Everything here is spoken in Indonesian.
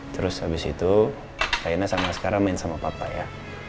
terus habis itu raina sama sekarang main sama papa ya